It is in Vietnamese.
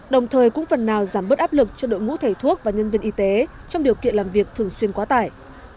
đồng thời cũng phần nào giảm bớt áp lực cho đội ngũ thầy thuốc và nhân viên y tế trong điều kiện làm việc thường xuyên quá tải